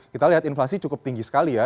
kita lihat inflasi cukup tinggi sekali ya